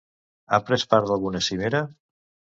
Ha pres part d'alguna cimera?